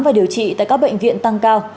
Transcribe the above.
và điều trị tại các bệnh viện tăng cao